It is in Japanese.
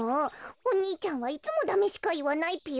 お兄ちゃんはいつもダメしかいわないぴよ。